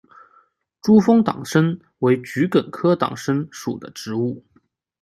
珠峰党参为桔梗科党参属的植物。